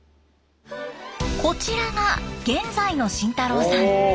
こちらが現在の真太郎さん。